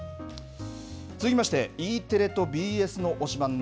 続きまして、ＥテレとＢＳの推しバン！